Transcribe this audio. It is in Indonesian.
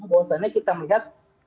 bahwasanya kita melihat